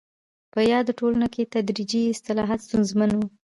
په یادو ټولنو کې تدریجي اصلاحات ستونزمن وو.